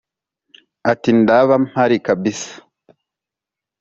ati"ndaba mpari kabisa"